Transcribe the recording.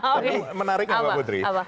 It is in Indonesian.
tapi menarik ya mbak putri